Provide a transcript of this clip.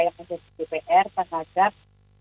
yang mengenai jpr terhadap